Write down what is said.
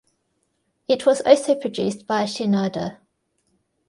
It was also produced by Shinoda.